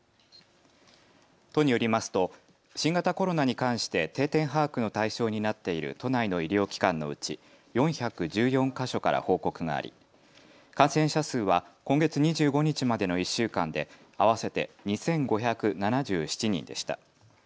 都によりますと新型コロナに関して定点把握の対象になっている都内の医療機関のうち４１４か所から報告があり感染者数は今月２５日までの１週間で合わせて２５７７人でした。